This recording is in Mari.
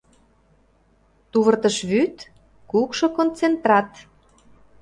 — Тувыртышвӱд, кукшо концентрат...